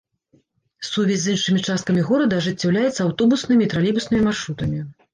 Сувязь з іншымі часткамі горада ажыццяўляецца аўтобуснымі і тралейбуснымі маршрутамі.